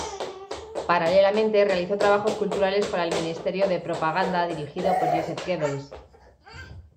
Paralelamente realizó trabajos culturales para el Ministerio de Propaganda dirigido por Joseph Goebbels.